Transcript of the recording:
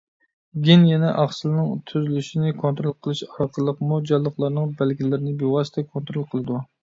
گېن يەنە ئاقسىلنىڭ تۈزۈلۈشىنى كونترول قىلىش ئارقىلىقمۇ جانلىقلارنىڭ بەلگىلىرىنى بىۋاسىتە كونترول قىلىدۇ.